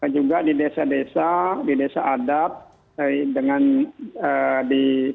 juga di desa desa di desa adat dengan di